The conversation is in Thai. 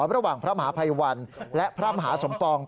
ระหว่างพระมหาภัยวันและพระมหาสมปอง